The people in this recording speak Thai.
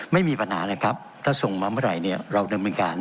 ไม่มีปัญหานะครับถ้าส่งมาเมื่อไหร่เราเดินเป็นการ